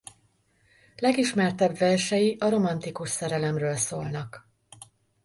Legismertebb versei a romantikus szerelemről szólnak.